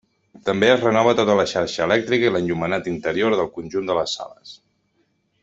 També es renova tota la xarxa elèctrica i l'enllumenat interior del conjunt de les sales.